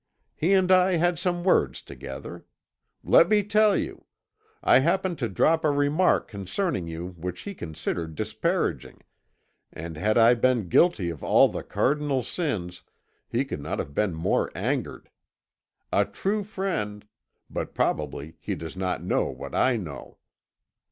He and I had some words together. Let me tell you. I happened to drop a remark concerning you which he considered disparaging, and had I been guilty of all the cardinal sins he could not have been more angered. A true friend but probably he does not know what I know.